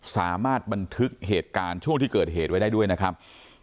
สามารถบันทึกเหตุการณ์ช่วงที่เกิดเหตุไว้ได้ด้วยนะครับ